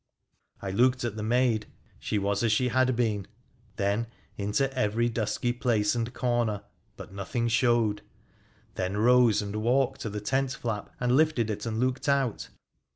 I looked at the maid. She was as she had been ; then into every dusky place and corner, but nothing showed ; then rose and walked to the tent flap and lifted it and looked out.